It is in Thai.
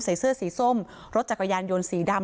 ใส่เสื้อสีส้มรถจักรยานยนต์สีดำ